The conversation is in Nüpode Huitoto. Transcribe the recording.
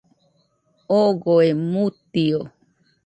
Ogoe mutio